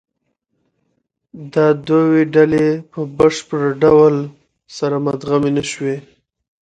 دا دوې ډلې په بشپړ ډول سره مدغمې نهشوې.